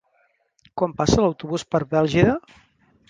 Quan passa l'autobús per Bèlgida?